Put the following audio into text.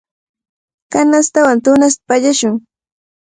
Kanastaman tunasta pallashun.